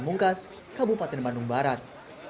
kamungkas kabupaten bandung barat